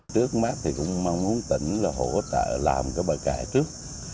trước mắt thì cũng mong muốn tỉnh là hỗ trợ làm cái bài cải trước